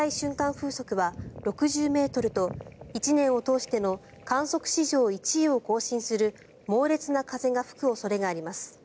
風速は６０ｍと１年を通しての観測史上１位を更新する猛烈な風が吹く恐れがあります。